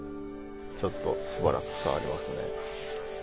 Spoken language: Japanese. ちょっとしばらくさわりますね。